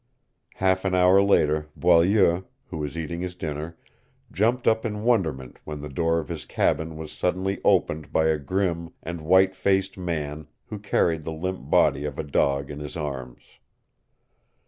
Half an hour later Boileau, who was eating his dinner, jumped up in wonderment when the door of his cabin was suddenly opened by a grim and white faced man who carried the limp body of a dog in his arms.